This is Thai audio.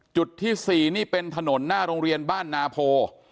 จุดที่๔นี่เป็นถนนหน้าโรงเรียนบ้านนาโพ